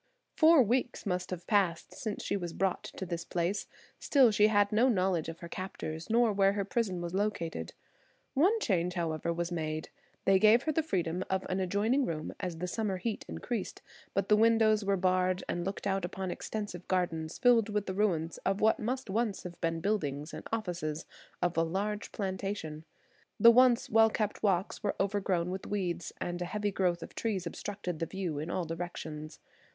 Four weeks must have passed since she was brought to this place, still she had no knowledge of her captors, nor where her prison was located. One change, however, was made–they gave her the freedom of an adjoining room as the summer heat increased, but the windows were barred and looked out upon extensive gardens filled with the ruins of what must once have been buildings and offices of a large plantation. The once well kept walks were overgrown with weeds, and a heavy growth of trees obstructed the view in all directions.